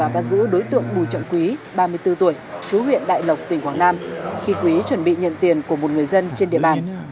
bùi trận quý đã chuẩn bị nhận tiền của một người dân trên địa bàn